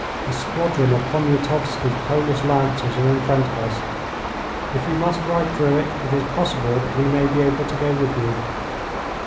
A squadron of Poniatowski's Polish Lancers are in front of us. If you must ride through it, it is possible that we may be able to go with you.'